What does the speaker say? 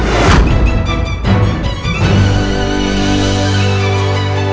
karena saya mau memberikan laporan pak